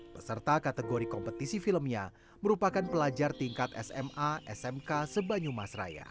peserta kategori kompetisi filmnya merupakan pelajar tingkat sma smk sebanyumas raya